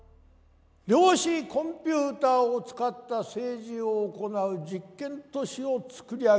量子コンピューターを使った政治を行う実験都市を作り上げました。